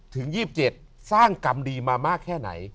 ถึง๒๗สร้างกรรมดีมามากแค่ไหน